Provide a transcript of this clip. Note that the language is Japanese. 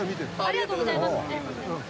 ありがとうございます。